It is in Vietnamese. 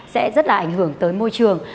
sẽ rất là ảnh hưởng tới môi trường